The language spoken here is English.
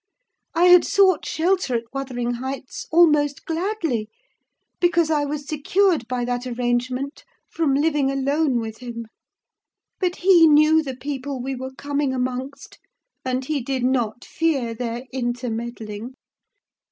I had sought shelter at Wuthering Heights, almost gladly, because I was secured by that arrangement from living alone with him; but he knew the people we were coming amongst, and he did not fear their intermeddling.